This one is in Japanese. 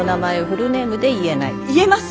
言えます。